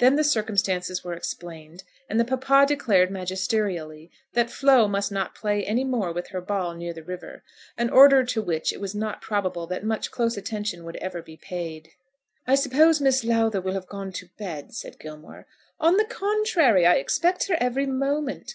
Then the circumstances were explained, and the papa declared magisterially that Flo must not play any more with her ball near the river, an order to which it was not probable that much close attention would ever be paid. "I suppose Miss Lowther will have gone to bed?" said Gilmore. "On the contrary, I expect her every moment.